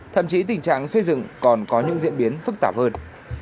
thậm chí tình trạng xây dựng còn có những diễn biến phức tạp hơn